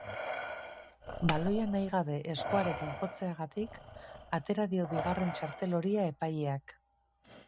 Baloia nahi gabe eskuarekin jotzeagatik atera dio bigarren txartel horia epaileak.